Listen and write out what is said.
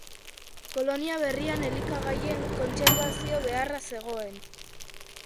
Kolonia berrian elikagaien kontserbazio beharra zegoen.